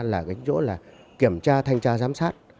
là cái chỗ là kiểm tra thanh tra giám sát